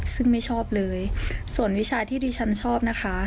ซึ่งไม่ชอบเลยส่วนวิชาที่ดิฉันชอบนะคะ